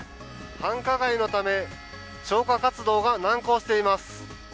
繁華街のため、消火活動が難航しています。